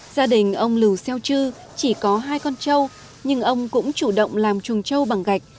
gia đình ông lù xeo chư chỉ có hai con châu nhưng ông cũng chủ động làm chuồng châu bằng gạch